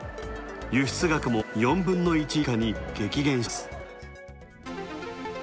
輸出額も４分の１以下に激減しています。